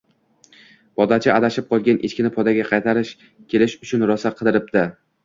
Podachi adashib qolgan Echkini podaga qaytarib kelish uchun rosa qidiribdi